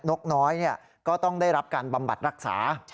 นกน้อยก็ต้องได้รับการบำบัดรักษา